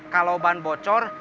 kalau ban bocor